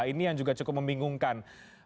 ini yang cukup membingungkan